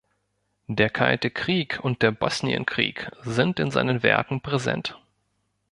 Der Kalte Krieg und der Bosnienkrieg sind in seinen Werken präsent.